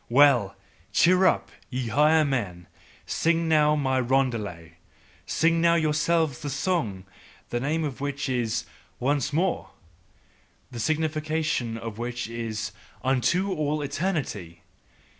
Well! Cheer up! Ye higher men, sing now my roundelay! Sing now yourselves the song, the name of which is "Once more," the signification of which is "Unto all eternity!"